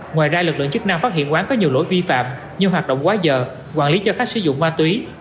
ngoài ra lực lượng chức năng phát hiện quán có nhiều lỗi vi phạm như hoạt động quá giờ quản lý cho khách sử dụng ma túy